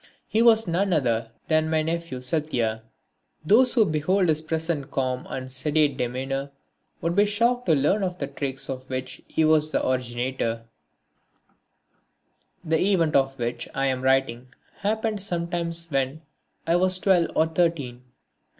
He was none other than my nephew Satya. Those who behold his present calm and sedate demeanour would be shocked to learn of the tricks of which he was the originator. [Illustration: Satya] The event of which I am writing happened sometime afterwards when I was twelve or thirteen.